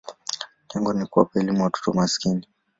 Lengo ni kuwapa elimu watoto maskini.